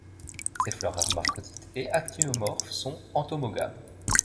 Ces fleurs hermaphrodites et actinomorphes sont entomogames.